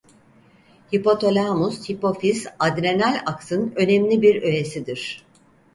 Hipotalamus-hipofiz-adrenal aksın önemli bir öğesidir.